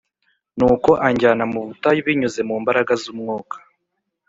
Nuko anjyana mu butayu binyuze mumbaraga z’umwuka